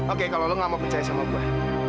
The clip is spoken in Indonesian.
oke kalau lo gak mau percaya sama gue